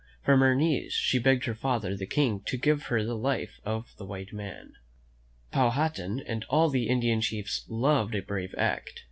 From her knees she begged her father, the King, to give to her the life of the white man. Powhatan and all the Indian chiefs loved a brave act.